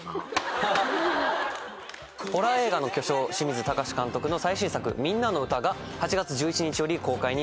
ホラー映画の巨匠清水崇監督の最新作『ミンナのウタ』が８月１１日より公開になります。